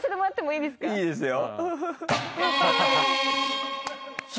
いいですよ。